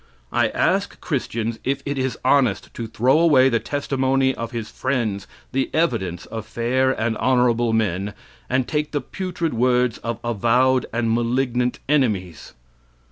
I ask Christians if it is honest to throw away the testimony of his friends, the evidence of fair and honorable men, and take the putrid words of avowed and malignant enemies?